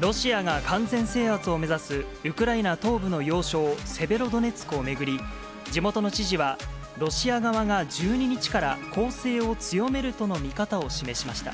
ロシアが完全制圧を目指す、ウクライナ東部の要衝セベロドネツクを巡り、地元の知事は、ロシア側が１２日から、攻勢を強めるとの見方を示しました。